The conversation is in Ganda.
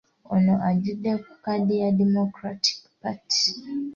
Ono ajjidde ku kkaadi ya Democratic Party.